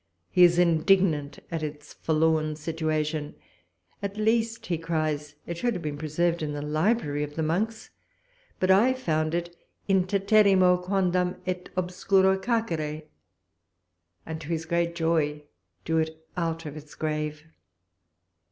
He is indignant at its forlorn situation; at least, he cries, it should have been preserved in the library of the monks; but I found it in teterrimo quodam et obscuro carcere and to his great joy drew it out of its grave!